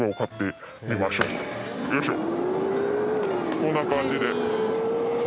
こんな感じで。